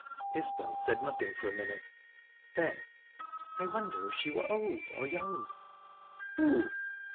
Isbel said nothing for a minute; then, "I wonder if she were old or young?" "Who?"